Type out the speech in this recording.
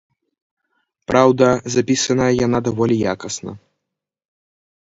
Праўда, запісаная яна даволі якасна.